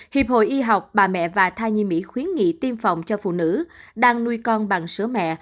hiệp hội y học bà mẹ và thai nhi mỹ khuyến nghị tiêm phòng cho phụ nữ đang nuôi con bằng sữa mẹ